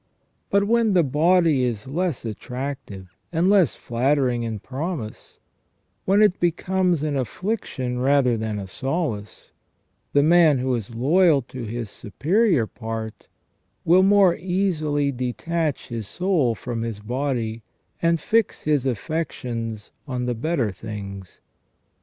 189 but when the body is less attractive and less flattering in promise, when it becomes an affliction rather than a solace, the man who is loyal to his superior part will more easily detach his soul from his body, and fix his affections on the better things.